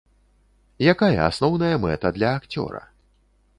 Якая асноўная мэта для акцёра?